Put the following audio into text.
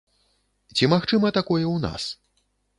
Ці магчыма такое ў нас?